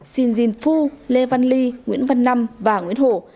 xin jin phu lê văn ly nguyễn văn năm và nguyễn hổ